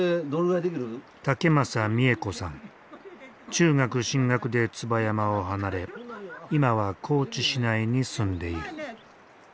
中学進学で椿山を離れ今は高知市内に住んでいる。